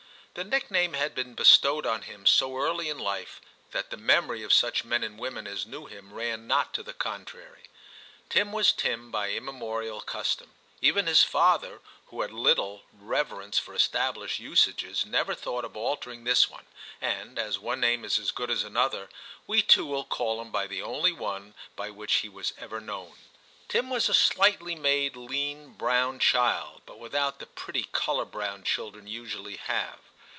The nickname had been bestowed on him so early in life that the memory of such men and women as knew him ran not to the contrary. Tim was Tim by immemorial custom ; even his father, who had little rever ence for established usages, never thought of altering this one, and, as one name is as good as another, we too will call him by the only one by which he was ever known. S> B 2 TIM CHAP. Tim was a slightly made, lean, brown child, but without the pretty colour brown children usually have.